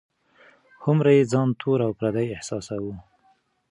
هومره یې ځان تور او پردی احساساوه.